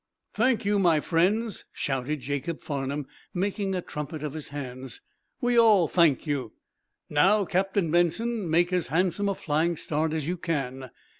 "Thank you, my friends!" shouted Jacob Farnum, making a trumpet of his hands. "We all thank you! Now, Captain Benson, make as handsome a flying start as you can."